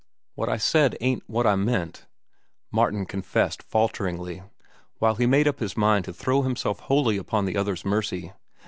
"What I said ain't what I meant," Martin confessed falteringly, while he made up his mind to throw himself wholly upon the other's mercy.